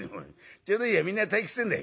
ちょうどいいやみんな退屈してんだい。